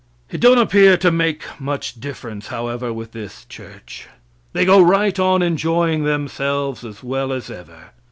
It don't appear to make much difference, however, with this church. They go right on enjoying themselves as well as ever.